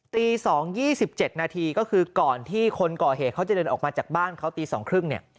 ตี๒๒๗นาทีก็คือก่อนที่คนก่อเหตุเขาจะเดินออกมาจากบ้านเขาตี๒๓๐เนี่ย